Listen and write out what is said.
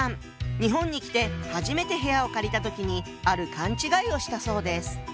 日本に来て初めて部屋を借りた時にある勘違いをしたそうです。